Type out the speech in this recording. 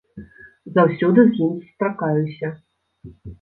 Заўсёды з імі сустракаюся.